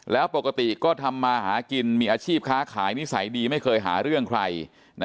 แล้วปกติก็ทำมาหากินมีอาชีพค้าขายนิสัยดีไม่เคยหาเรื่องใคร